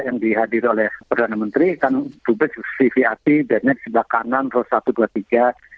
nah dukur itu mereka kalau kan korsusnya